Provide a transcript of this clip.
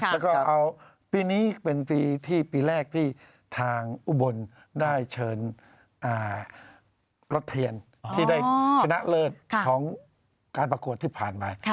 แล้วก็เอาปีนี้เป็นปีที่ปีแรกที่ทางอุบลได้เชิญรถเทียนที่ได้ชนะเลิศของการประกวดที่ผ่านมา